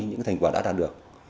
những thành quả đã đạt được